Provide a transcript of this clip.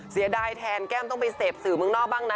เสียดายแทนแก้มต้องไปเสพสื่อเมืองนอกบ้างนะ